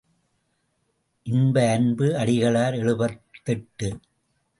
இன்ப அன்பு அடிகளார் எழுபத்தெட்டு.